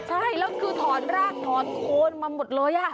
ใช่แล้วคือถอดรากถอดโคนมาหมดเลย